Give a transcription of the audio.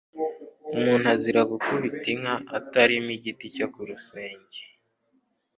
Umuntu azira gukubita inka itarima igiti cyo ku rusenge